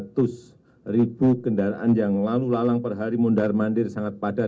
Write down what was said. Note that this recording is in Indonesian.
satu ratus ribu kendaraan yang lalu lalang per hari mondar mandir sangat padat